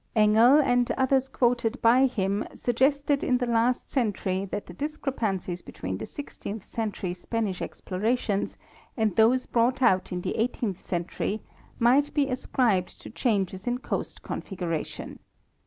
Engel, and others quoted by him, suggested in the last century that the discrepancies between the sixteenth century Spanish explorations and those brought out in the eighteenth century might be ascribed to changes in coast configuration.